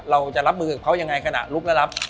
เราจะรับมือกับเขายังไงขณะลุกและรับ